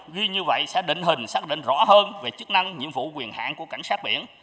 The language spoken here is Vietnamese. ghi như vậy sẽ định hình xác định rõ hơn về chức năng nhiệm vụ quyền hạn của cảnh sát biển